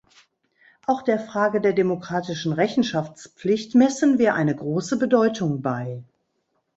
Auch der Frage der demokratischen Rechenschaftspflicht messen wir eine große Bedeutung bei.